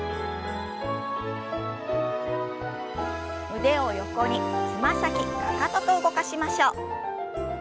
腕を横につま先かかとと動かしましょう。